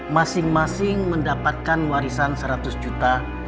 masing masing mendapatkan warisan seratus juta